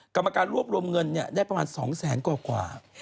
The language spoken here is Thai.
กรรมการรวบรวมเงินนี้ได้ประมาณ๒๐๐๐๐๐กว่า